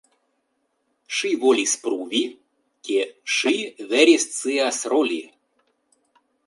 Ŝi volis pruvi, ke ŝi vere scias roli.